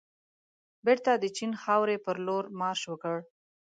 بېرته د چین خاورې پرلور مارش وکړ.